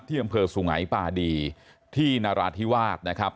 อำเภอสุงัยปาดีที่นราธิวาสนะครับ